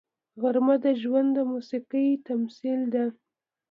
غرمه د ژوند د موسیقۍ تمثیل ده